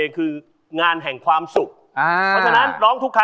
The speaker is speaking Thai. ซื่อทู่